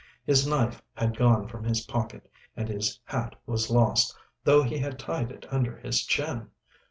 His knife had gone from his pocket and his hat was lost, though he had tied it under his chin.